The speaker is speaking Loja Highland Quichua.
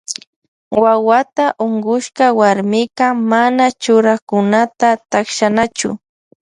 Wawata unkushka warmika mana churanakunata takshanachu.